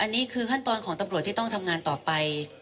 อันนี้คือขั้นตอนของตำรวจที่ต้องทำงานต่อไป